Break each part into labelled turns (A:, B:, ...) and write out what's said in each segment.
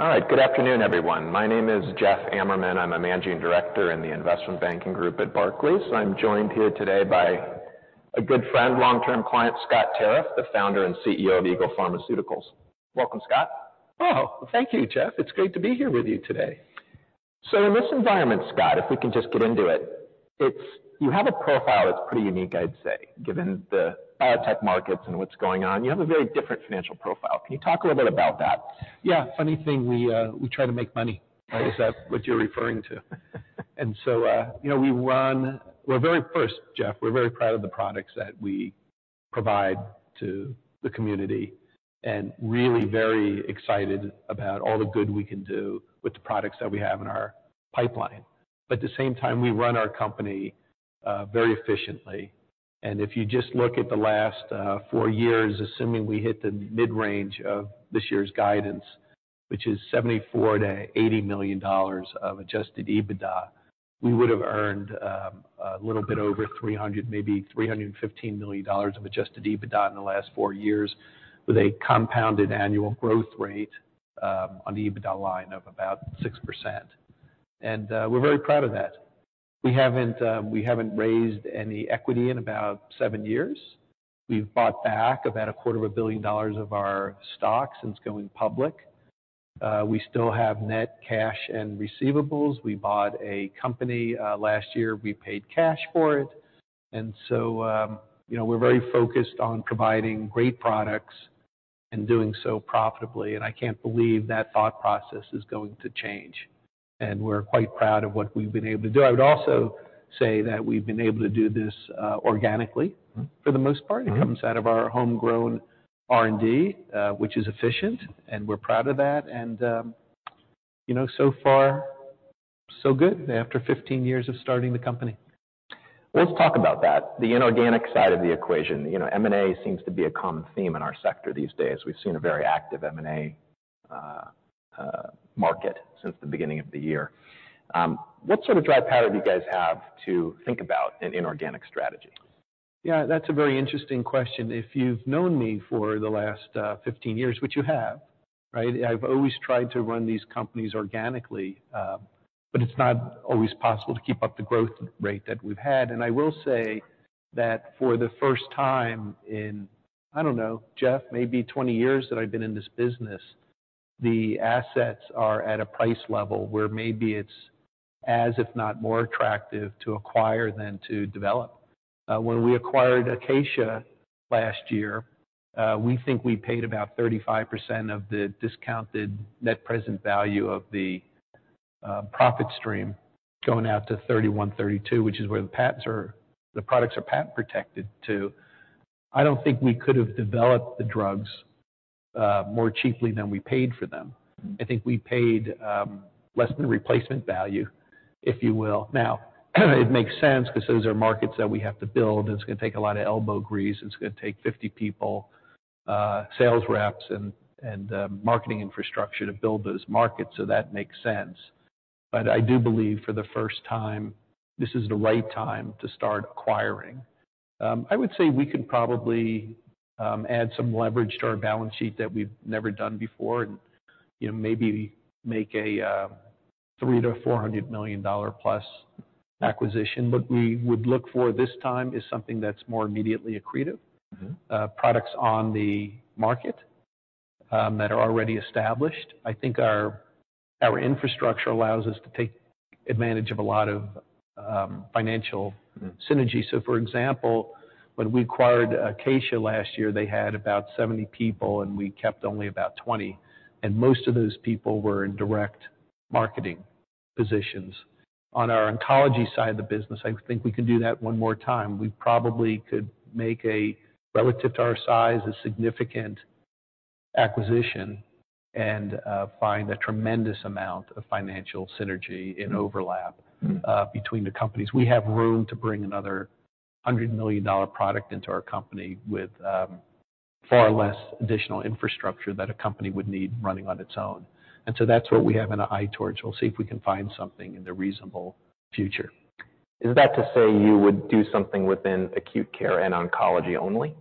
A: All right. Good afternoon, everyone. My name is Jeff Ammerman. I'm a Managing Director in the investment banking group at Barclays. I'm joined here today by a good friend, long-term client, Scott Tarriff, the Founder and CEO of Eagle Pharmaceuticals. Welcome, Scott.
B: Thank you, Jeff. It's great to be here with you today.
A: In this environment, Scott, if we can just get into it. You have a profile that's pretty unique, I'd say, given the biotech markets and what's going on. You have a very different financial profile. Can you talk a little bit about that?
B: Yeah. Funny thing, we try to make money. Is that what you're referring to? You know, very first, Jeff, we're very proud of the products that we provide to the community and really very excited about all the good we can do with the products that we have in our pipeline. At the same time, we run our company very efficiently. If you just look at the last four years, assuming we hit the mid-range of this year's guidance, which is $74 million-$80 million of Adjusted EBITDA, we would have earned a little bit over $300 million, maybe $315 million of Adjusted EBITDA in the last four years with a compounded annual growth rate on the EBITDA line of about 6%. We're very proud of that. We haven't raised any equity in about seven years. We've bought back about a quarter of a billion dollars of our stock since going public. We still have net cash and receivables. We bought a company last year. We paid cash for it. You know, we're very focused on providing great products and doing so profitably, and I can't believe that thought process is going to change. We're quite proud of what we've been able to do. I would also say that we've been able to do this organically for the most part.
A: Mm-hmm.
B: It comes out of our homegrown R&D, which is efficient, and we're proud of that. You know, so far, so good after 15 years of starting the company.
A: Let's talk about that, the inorganic side of the equation. You know, M&A seems to be a common theme in our sector these days. We've seen a very active M&A market since the beginning of the year. What sort of dry powder do you guys have to think about an inorganic strategy?
B: Yeah, that's a very interesting question. If you've known me for the last, 15 years, which you have, right? I've always tried to run these companies organically, but it's not always possible to keep up the growth rate that we've had. I will say that for the first time in, I don't know, Jeff, maybe 20 years that I've been in this business, the assets are at a price level where maybe it's as, if not more attractive, to acquire than to develop. When we acquired Acacia last year, we think we paid about 35% of the discounted net present value of the profit stream going out to 31, 32, which is where the products are patent protected to. I don't think we could have developed the drugs, more cheaply than we paid for them.
A: Mm-hmm.
B: I think we paid, less than replacement value, if you will. It makes sense 'cause those are markets that we have to build, and it's gonna take a lot of elbow grease. It's gonna take 50 people, sales reps and marketing infrastructure to build those markets, so that makes sense. I do believe for the first time, this is the right time to start acquiring. I would say we could probably, add some leverage to our balance sheet that we've never done before and, you know, maybe make a, $300 million-$400 million plus acquisition. What we would look for this time is something that's more immediately accretive.
A: Mm-hmm.
B: Products on the market that are already established. I think our infrastructure allows us to take advantage of a lot of financial synergy. For example, when we acquired Acacia last year, they had about 70 people, and we kept only about 20, and most of those people were in direct marketing positions. On our oncology side of the business, I think we can do that one more time. We probably could make a, relative to our size, a significant acquisition and find a tremendous amount of financial synergy and overlap between the companies. We have room to bring another $100 million product into our company with far less additional infrastructure that a company would need running on its own. That's what we have an eye towards. We'll see if we can find something in the reasonable future.
A: Is that to say you would do something within acute care and oncology only?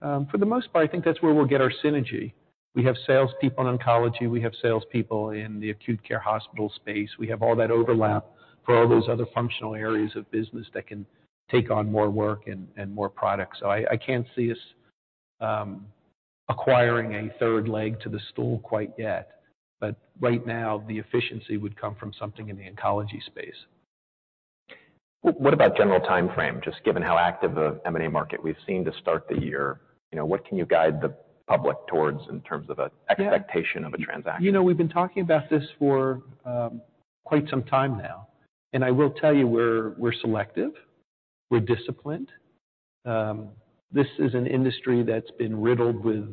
B: For the most part, I think that's where we'll get our synergy. We have sales people in oncology. We have sales people in the acute care hospital space. We have all that overlap for all those other functional areas of business that can take on more work and more products. I can't see us acquiring a third leg to the stool quite yet. Right now, the efficiency would come from something in the oncology space.
A: What about general timeframe? Just given how active the M&A market we've seen to start the year, you know, what can you guide the public towards in terms of an expectation of a transaction?
B: You know, we've been talking about this for quite some time now. I will tell you, we're selective. We're disciplined. This is an industry that's been riddled with,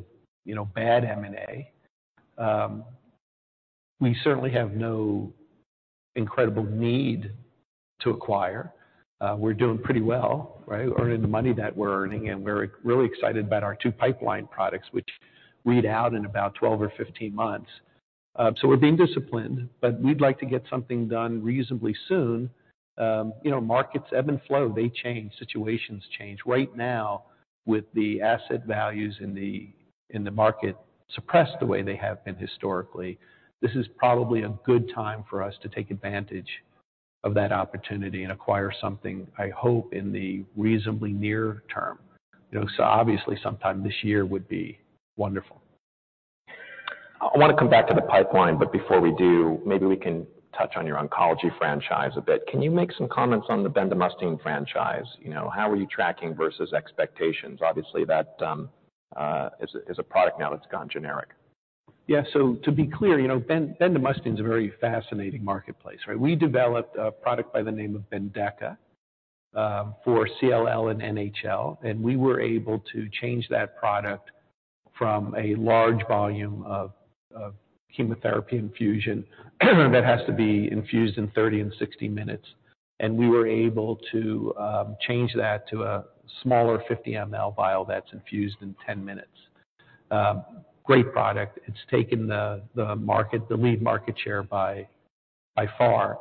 B: you know, bad M&A. We certainly have no incredible need to acquire. We're doing pretty well, right? Earning the money that we're earning, and we're really excited about our two pipeline products, which read out in about 12 or 15 months. We're being disciplined, but we'd like to get something done reasonably soon. You know, markets ebb and flow, they change, situations change. Right now, with the asset values in the market suppressed the way they have been historically, this is probably a good time for us to take advantage of that opportunity and acquire something, I hope, in the reasonably near term. You know, obviously, sometime this year would be wonderful.
A: I wanna come back to the pipeline. Before we do, maybe we can touch on your oncology franchise a bit. Can you make some comments on the bendamustine franchise? You know, how are you tracking versus expectations? Obviously, that is a product now that's gone generic.
B: Yeah. To be clear, you know, bendamustine is a very fascinating marketplace, right? We developed a product by the name of BENDEKA for CLL and NHL. We were able to change that product from a large volume of chemotherapy infusion that has to be infused in 30 and 60 minutes. We were able to change that to a smaller 50 ML vial that's infused in 10 minutes. Great product. It's taken the market, the lead market share by far.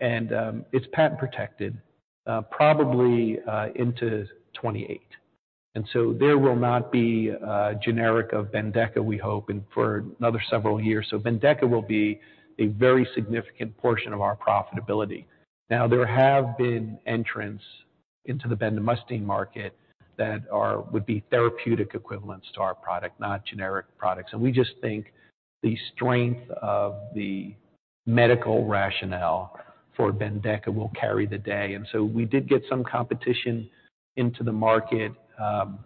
B: It's patent protected, probably into 2028. There will not be a generic of BENDEKA, we hope, and for another several years. BENDEKA will be a very significant portion of our profitability. Now, there have been entrants into the bendamustine market that would be therapeutic equivalents to our product, not generic products. We just think the strength of the medical rationale for BENDEKA will carry the day. We did get some competition into the market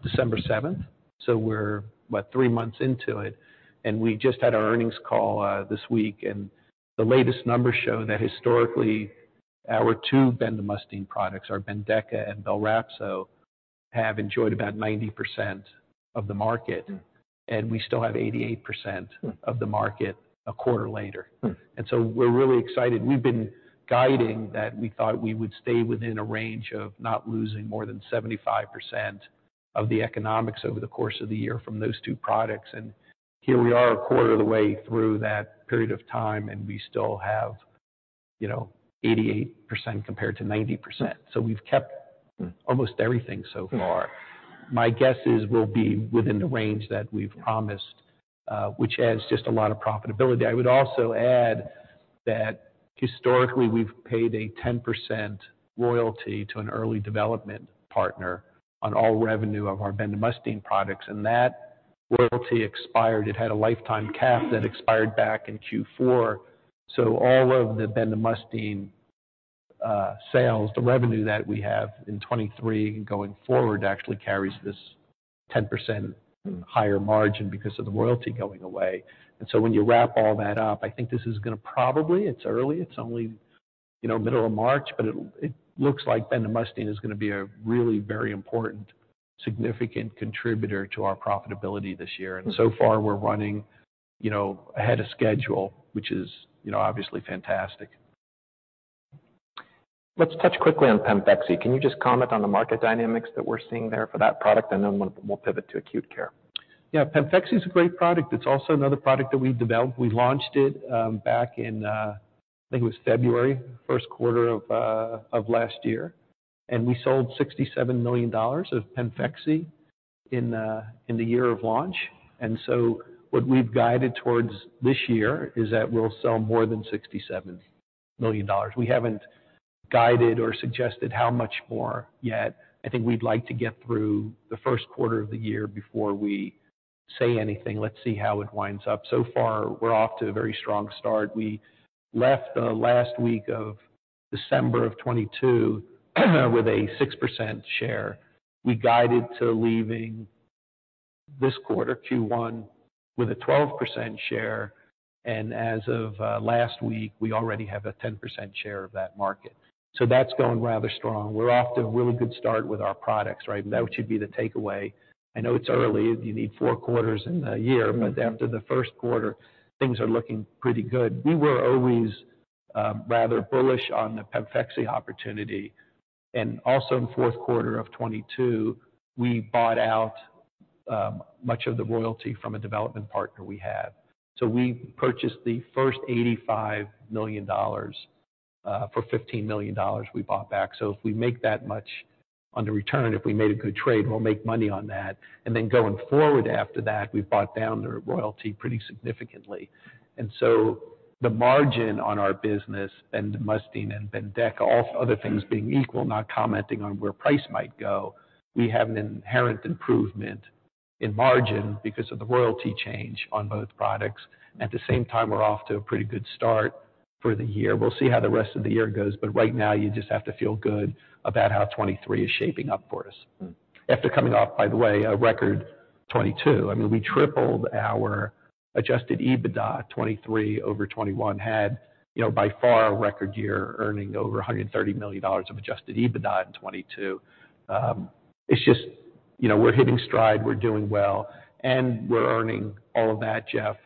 B: December seventh. We're, what, 3 months into it. We just had our earnings call this week, and the latest numbers show that historically, our two bendamustine products, our BENDEKA and BELRAPZO, have enjoyed about 90% of the market, and we still have 88% of the market a quarter later.
A: Hmm.
B: We're really excited. We've been guiding that we thought we would stay within a range of not losing more than 75% of the economics over the course of the year from those two products. Here we are, a quarter of the way through that period of time, and we still have, you know, 88% compared to 90%. We've kept almost everything so far.
A: Hmm.
B: My guess is we'll be within the range that we've promised, which adds just a lot of profitability. I would also add that historically, we've paid a 10% royalty to an early development partner on all revenue of our bendamustine products, and that royalty expired. It had a lifetime cap that expired back in Q4. All of the bendamustine sales, the revenue that we have in 2023 going forward actually carries this 10% higher margin because of the royalty going away. When you wrap all that up, I think this is gonna probably, it's early, it's only, you know, middle of March, but it looks like bendamustine is gonna be a really very important, significant contributor to our profitability this year. So far, we're running, you know, ahead of schedule, which is, you know, obviously fantastic.
A: Let's touch quickly on PEMFEXY. Can you just comment on the market dynamics that we're seeing there for that product, and then we'll pivot to acute care?
B: Yeah. PEMFEXY is a great product. It's also another product that we developed. We launched it back in, I think it was February, first quarter of last year. We sold $67 million of PEMFEXY in the year of launch. What we've guided towards this year is that we'll sell more than $67 million. We haven't guided or suggested how much more yet. I think we'd like to get through the first quarter of the year before we say anything. Let's see how it winds up. So far, we're off to a very strong start. We left the last week of December 2022 with a 6% share. We guided to leaving this quarter, Q1, with a 12% share. As of last week, we already have a 10% share of that market. That's going rather strong. We're off to a really good start with our products, right? That should be the takeaway. I know it's early. You need four quarters in a year.
A: Mm-hmm.
B: After the first quarter, things are looking pretty good. We were always rather bullish on the PEMFEXY opportunity. In fourth quarter of 2022, we bought out much of the royalty from a development partner we had. We purchased the first $85 million for $15 million we bought back. If we make that much on the return, and if we made a good trade, we'll make money on that. Going forward after that, we've bought down their royalty pretty significantly. The margin on our business, bendamustine and BENDEKA, all other things being equal, not commenting on where price might go, we have an inherent improvement in margin because of the royalty change on both products. At the same time, we're off to a pretty good start for the year. We'll see how the rest of the year goes, but right now you just have to feel good about how 2023 is shaping up for us.
A: Hmm.
B: After coming off, by the way, a record 2022. I mean, we tripled our Adjusted EBITDA, 2023 over 2021 had, you know, by far a record year, earning over $130 million of Adjusted EBITDA in 2022. It's just, you know, we're hitting stride, we're doing well, and we're earning all of that, Jeff,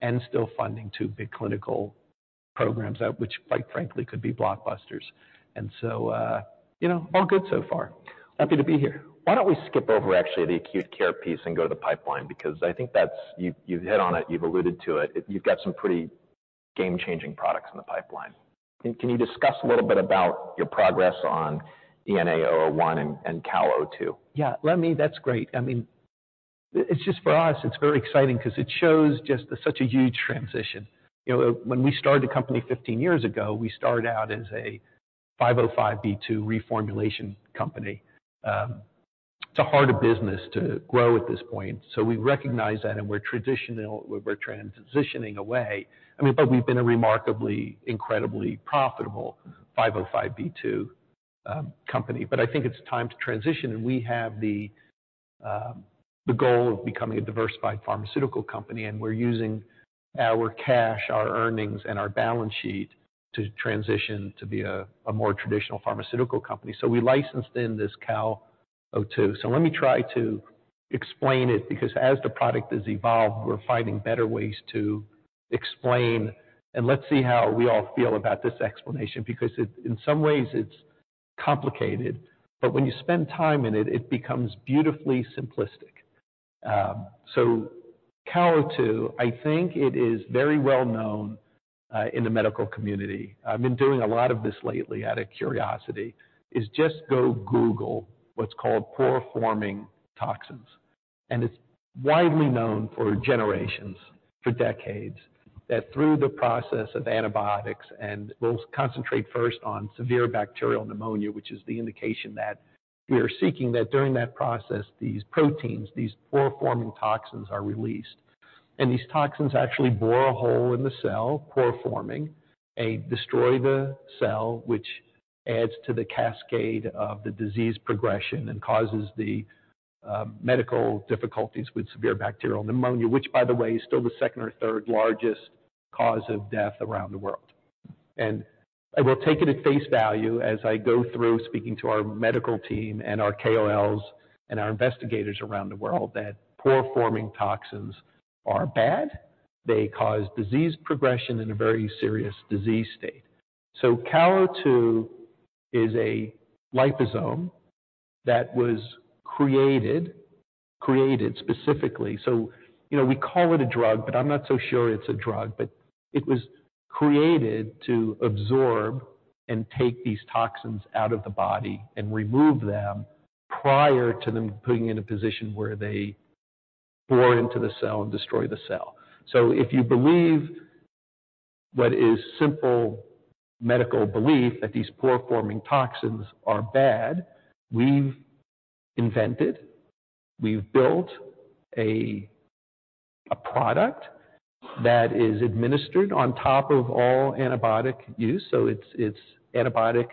B: and still funding two big clinical programs out, which quite frankly, could be blockbusters. You know, all good so far. Happy to be here.
A: Why don't we skip over actually the acute care piece and go to the pipeline? I think you've hit on it. You've alluded to it. You've got some pretty game changing products in the pipeline. Can you discuss a little bit about your progress on ENA-001 and CAL02?
B: Yeah. That's great. I mean, it's just for us, it's very exciting because it shows just such a huge transition. You know, when we started the company 15 years ago, we started out as a 505(b)(2) reformulation company. It's a harder business to grow at this point. We recognize that, and we're transitioning away. I mean, we've been a remarkably, incredibly profitable 505(b)(2) company. I think it's time to transition, and we have the goal of becoming a diversified pharmaceutical company, and we're using our cash, our earnings, and our balance sheet to transition to be a more traditional pharmaceutical company. We licensed in this CAL02. Let me try to explain it, because as the product has evolved, we're finding better ways to explain. Let's see how we all feel about this explanation, because in some ways, it's complicated, but when you spend time in it becomes beautifully simplistic. CAL02, I think it is very well known in the medical community. I've been doing a lot of this lately out of curiosity, is just go Google what's called pore-forming toxins. It's widely known for generations, for decades, that through the process of antibiotics, and we'll concentrate first on severe bacterial pneumonia, which is the indication that we are seeking, that during that process, these proteins, these pore-forming toxins, are released. These toxins actually bore a hole in the cell, pore-forming, destroy the cell, which adds to the cascade of the disease progression and causes the medical difficulties with severe bacterial pneumonia, which, by the way, is still the second or third largest cause of death around the world. I will take it at face value as I go through speaking to our medical team and our KOLs and our investigators around the world that pore-forming toxins are bad. They cause disease progression in a very serious disease state. CAL02 is a liposome that was created specifically. You know, we call it a drug, but I'm not so sure it's a drug, but it was created to absorb and take these toxins out of the body and remove them prior to them putting in a position where they bore into the cell and destroy the cell. If you believe what is simple medical belief that these pore-forming toxins are bad, we've invented, we've built a product that is administered on top of all antibiotic use, so it's antibiotic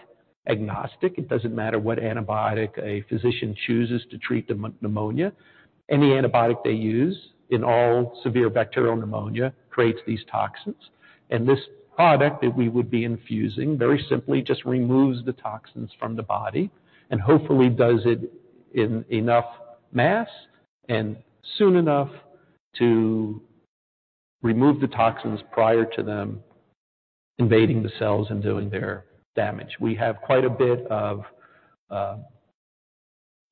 B: agnostic. It doesn't matter what antibiotic a physician chooses to treat the pneumonia. Any antibiotic they use in all severe bacterial pneumonia creates these toxins. This product that we would be infusing very simply just removes the toxins from the body and hopefully does it in enough mass and soon enough to remove the toxins prior to them invading the cells and doing their damage. We have quite a bit of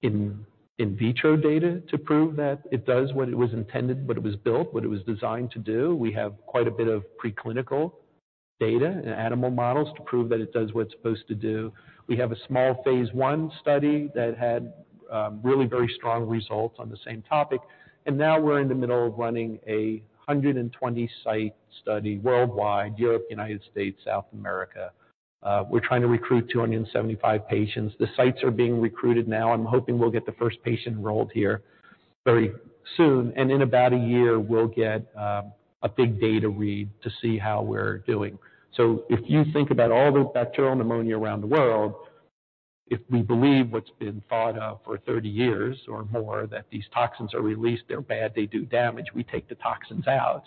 B: in vitro data to prove that it does what it was intended, what it was built, what it was designed to do. We have quite a bit of preclinical data in animal models to prove that it does what it's supposed to do. We have a small phase I study that had really very strong results on the same topic. Now we're in the middle of running a 120 site study worldwide, Europe, United States, South America. We're trying to recruit 275 patients. The sites are being recruited now. I'm hoping we'll get the first patient enrolled here very soon. In about a year, we'll get a big data read to see how we're doing. If you think about all the bacterial pneumonia around the world, if we believe what's been thought of for 30 years or more, that these toxins are released, they're bad, they do damage, we take the toxins out,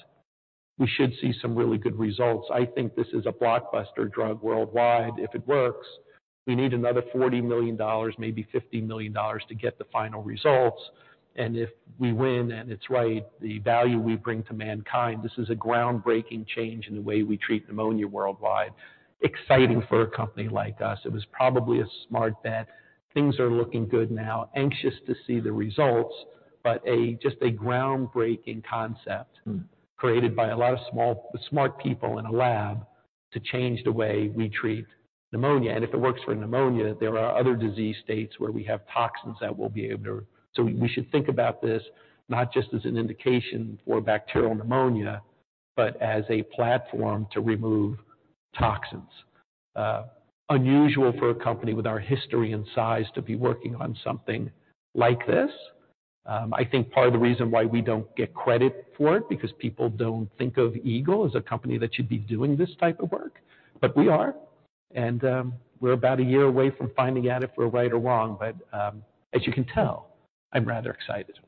B: we should see some really good results. I think this is a blockbuster drug worldwide. If it works, we need another $40 million, maybe $50 million to get the final results. If we win and it's right, the value we bring to mankind, this is a groundbreaking change in the way we treat pneumonia worldwide. Exciting for a company like us. It was probably a smart bet. Things are looking good now. Anxious to see the results, just a groundbreaking concept created by a lot of small, smart people in a lab to change the way we treat pneumonia. If it works for pneumonia, there are other disease states where we have toxins that we'll be able to. We should think about this not just as an indication for bacterial pneumonia, but as a platform to remove toxins. Unusual for a company with our history and size to be working on something like this. I think part of the reason why we don't get credit for it, because people don't think of Eagle as a company that should be doing this type of work. We are, and we're about a year away from finding out if we're right or wrong. As you can tell, I'm rather excited.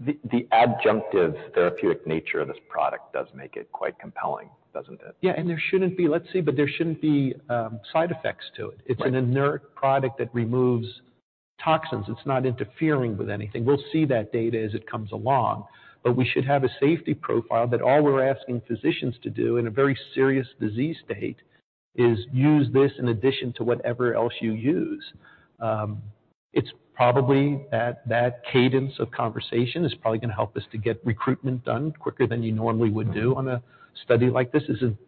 A: The adjunctive therapeutic nature of this product does make it quite compelling, doesn't it?
B: Yeah. Let's see, there shouldn't be side effects to it.
A: Right.
B: It's an inert product that removes toxins. It's not interfering with anything. We'll see that data as it comes along. We should have a safety profile that all we're asking physicians to do in a very serious disease state is use this in addition to whatever else you use. It's probably that cadence of conversation is probably gonna help us to get recruitment done quicker than you normally would do on a study like this.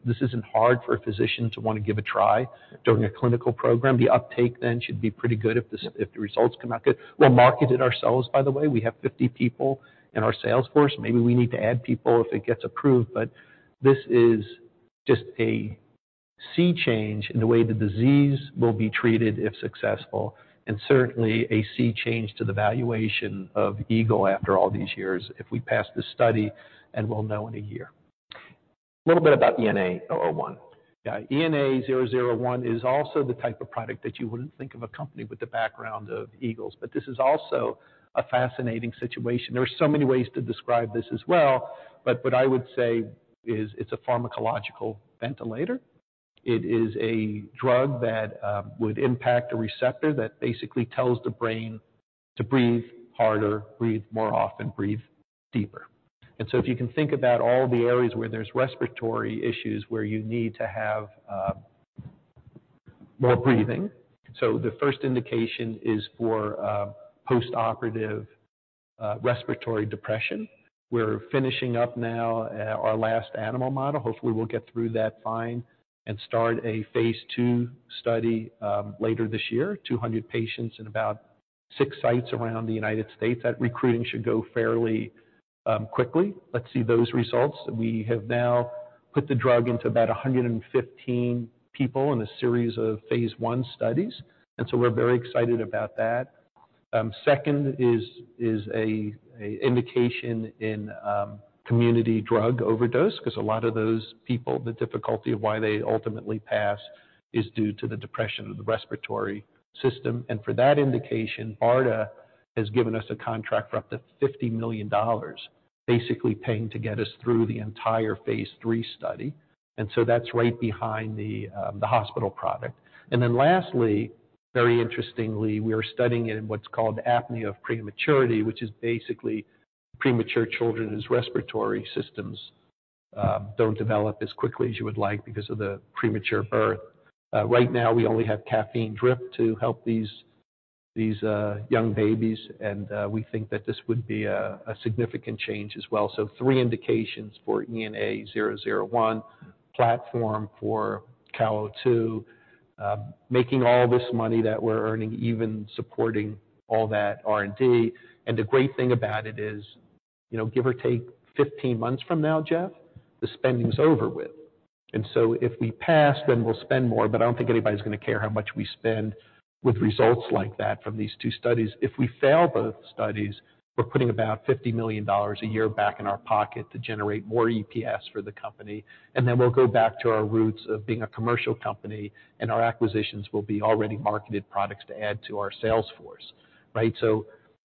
B: This isn't hard for a physician to wanna give a try during a clinical program. The uptake should be pretty good if the results come out good. We'll market it ourselves, by the way. We have 50 people in our sales force. Maybe we need to add people if it gets approved. This is just a sea change in the way the disease will be treated if successful, and certainly a sea change to the valuation of Eagle after all these years if we pass this study, and we'll know in a year.
A: A little bit about ENA-001.
B: Yeah. ENA-001 is also the type of product that you wouldn't think of a company with the background of Eagle's, but this is also a fascinating situation. There are so many ways to describe this as well, but what I would say is it's a pharmacological ventilator. It is a drug that would impact a receptor that basically tells the brain to breathe harder, breathe more often, breathe deeper. If you can think about all the areas where there's respiratory issues, where you need to have more breathing. The first indication is for postoperative respiratory depression. We're finishing up now our last animal model. Hopefully, we'll get through that fine and start a phase II study later this year. 200 patients in about 6 sites around the United States. That recruiting should go fairly quickly. Let's see those results. We have now put the drug into about 115 people in a series of phase I studies. We're very excited about that. Second is a indication in community drug overdose 'cause a lot of those people, the difficulty of why they ultimately pass is due to the depression of the respiratory system. For that indication, BARDA has given us a contract for up to $50 million, basically paying to get us through the entire phase III study. That's right behind the hospital product. Lastly, very interestingly, we are studying it in what's called apnea of prematurity, which is basically premature children's respiratory systems don't develop as quickly as you would like because of the premature birth. Right now we only have caffeine drip to help these young babies and we think that this would be a significant change as well. three indications for ENA-001, platform for CAL02. Making all this money that we're earning, even supporting all that R&D. The great thing about it is, you know, give or take 15 months from now, Jeff, the spending's over with. If we pass, then we'll spend more, but I don't think anybody's gonna care how much we spend with results like that from these two studies. If we fail both studies, we're putting about $50 million a year back in our pocket to generate more EPS for the company, and then we'll go back to our roots of being a commercial company, and our acquisitions will be already marketed products to add to our sales force, right?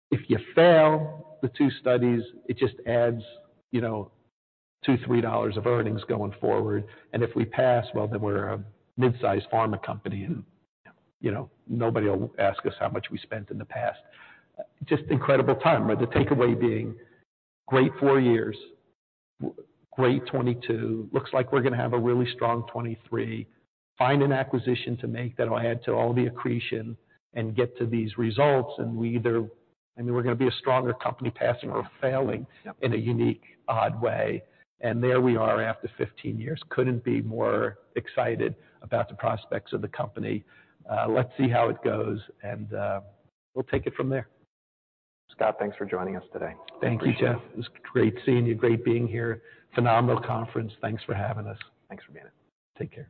B: If you fail the two studies, it just adds, you know, $2, $3 of earnings going forward. If we pass, well, then we're a mid-sized pharma company and, you know, nobody'll ask us how much we spent in the past. Just incredible time. The takeaway being great four years, great 2022. Looks like we're gonna have a really strong 2023. Find an acquisition to make that'll add to all the accretion and get to these results and we either... I mean, we're gonna be a stronger company passing or failing-
A: Yep.
B: -in a unique, odd way. There we are after 15 years. Couldn't be more excited about the prospects of the company. Let's see how it goes and, we'll take it from there.
A: Scott, thanks for joining us today.
B: Thank you, Jeff. It was great seeing you. Great being here. Phenomenal conference. Thanks for having us.
A: Thanks for being here.
B: Take care.